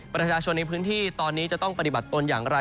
ประชาชนในพื้นที่ตอนนี้จะต้องปฏิบัติตนอย่างไร